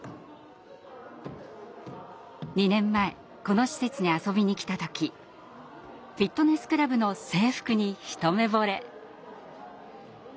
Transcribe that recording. ２年前この施設に遊びに来た時フィットネスクラブの制服に一目ぼれ。